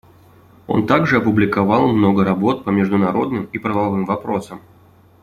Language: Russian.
Он также опубликовал много работ по международным и правовым вопросам.